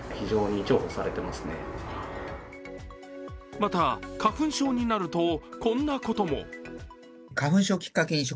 また、花粉症になるとこんなことも。